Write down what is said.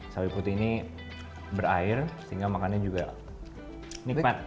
sawi putih ini berair sehingga makannya juga nikmat